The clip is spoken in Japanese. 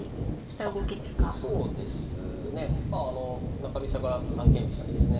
中飛車から三間飛車にですね